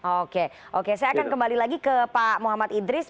oke oke saya akan kembali lagi ke pak muhammad idris